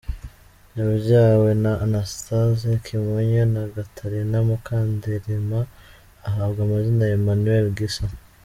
Yabyawe na Anastase Kimonyo na Gatarina Mukandirima, ahabwa amazina ya Emmanuel Gisa.